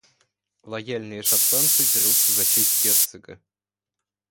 Лояльные шотландцы дерутся за честь герцога.